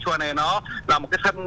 tức là bên đó có một cái bờ dốc